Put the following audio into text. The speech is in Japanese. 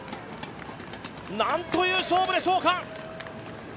何という勝負でしょうか！